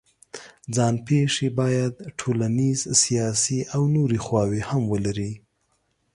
ځان پېښې باید ټولنیز، سیاسي او نورې خواوې هم ولري.